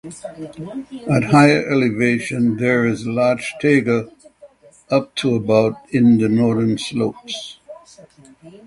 At higher elevations there is larch taiga up to about in the northern slopes.